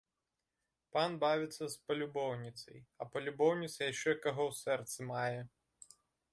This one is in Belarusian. Пан бавіцца з палюбоўніцай, а палюбоўніца яшчэ каго ў сэрцы мае.